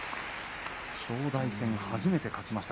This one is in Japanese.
正代戦、初めて勝ちました。